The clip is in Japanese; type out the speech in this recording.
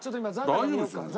大丈夫ですよね？